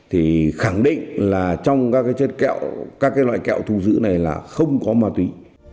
thì khẳng định là trong các loại kẹo thu giữ này là không có ma túy